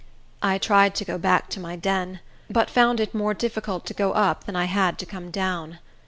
I tried to go back to my den, but found it more difficult to go up than I had to come down.